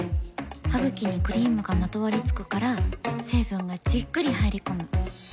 ハグキにクリームがまとわりつくから成分がじっくり入り込む。